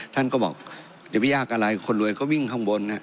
ท่านก็บอกจะไปยากอะไรคนรวยก็วิ่งข้างบน